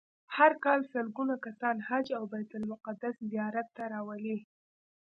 هر کال سلګونه کسان حج او بیت المقدس زیارت ته راولي.